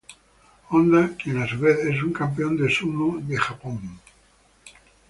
Honda quien a su vez es un campeón de Sumo de Japón.